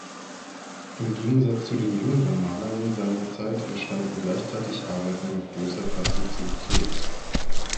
Im Gegensatz zu den jüngeren Malern seiner Zeit entstanden gleichzeitig Arbeiten mit großer Plastizität.